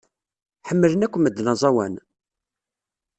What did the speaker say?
Ḥemmlen akk medden aẓawan?